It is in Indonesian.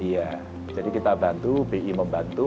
iya jadi kita bantu bi membantu